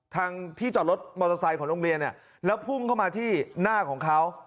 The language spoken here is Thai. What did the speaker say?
ทางที่จอดรถมอเตอร์ไซค์ของโรงเรียนเนี่ยแล้วพุ่งเข้ามาที่หน้าของเขา